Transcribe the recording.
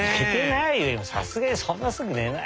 さすがにそんなすぐねないよ。